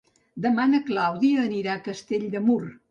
Demà na Clàudia anirà a Castell de Mur.